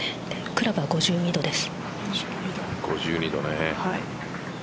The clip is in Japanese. クラブは５２度です。